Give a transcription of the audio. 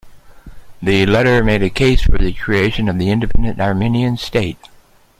The letter made a case for the creation of an independent Armenian state.